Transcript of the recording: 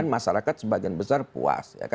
masyarakat sebagian besar puas